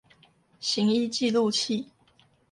行醫記錄器